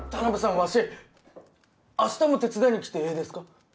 わし明日も手伝いに来てええですか？